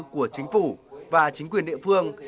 của chính phủ và chính quyền địa phương